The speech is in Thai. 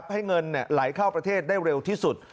ให้เงินไหลเข้าประเทศได้เร็วที่สุด